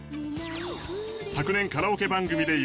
昨年カラオケ番組で優勝。